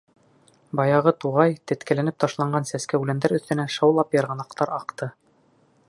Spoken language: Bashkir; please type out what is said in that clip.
Баяғы туғай, теткеләнеп ташланған сәскә-үләндәр өҫтөнән шаулап йырғанаҡтар аҡты.